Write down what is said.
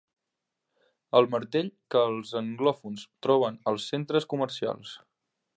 El martell que els anglòfons troben als centres comercials.